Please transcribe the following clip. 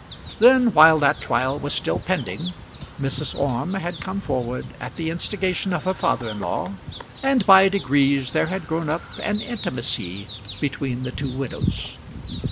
Then, while that trial was still pending, Mrs. Orme had come forward at the instigation of her father in law, and by degrees there had grown up an intimacy between the two widows.